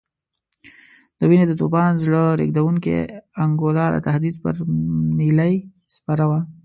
د وینو د توپان زړه رېږدونکې انګولا د تهدید پر نیلۍ سپره وه.